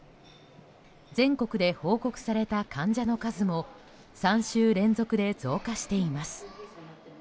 全国で報告された患者の数も３週連続で増加しています。